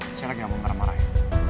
jangan lagi ngomong marah marah ya